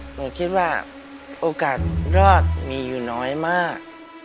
หนูคิดว่าโอกาสรอดมีอยู่น้อยมาก